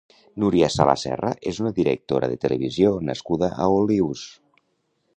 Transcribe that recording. Núria Sala Serra és una directora de televisió nascuda a Olius.